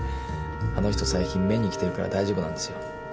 あの人最近目にきてるから大丈夫なんですよ。